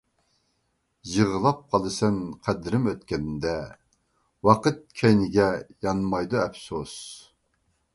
يىغلاپ قالىسەن قەدرىم ئۆتكەندە، ۋاقىت كەينىگە يانمايدۇ ئەپسۇس.